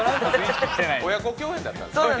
親子共演だったんですね。